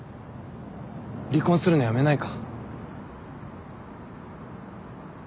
離婚するのやめないか？